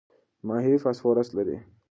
ماهي فاسفورس لري.